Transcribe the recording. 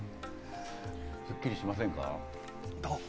すっきりしませんか？